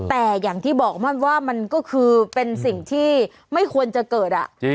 แต่อย่างที่บอกว่ามันก็คือเป็นสิ่งที่ไม่ควรจะเกิด